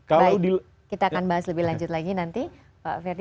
baik kita akan bahas lebih lanjut lagi nanti pak ferdi